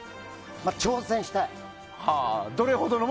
挑戦したい。